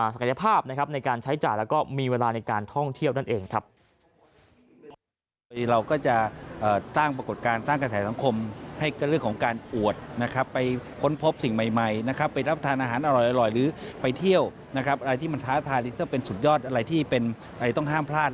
ศักยภาพในการใช้จ่ายแล้วก็มีเวลาในการท่องเที่ยวนั่นเองครับ